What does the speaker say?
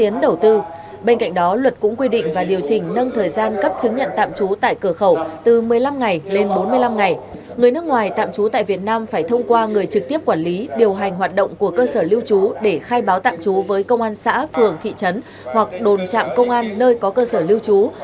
nước ngoài tạm trú tại việt nam phải thông qua người trực tiếp quản lý điều hành hoạt động của cơ sở lưu trú để khai báo tạm trú với công an xã phường thị trấn hoặc đồn chạm công an nơi có cơ sở lưu trú